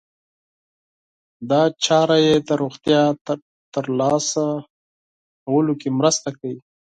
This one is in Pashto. دا چاره يې د روغتیا ترلاسه کولو کې مرسته کوي.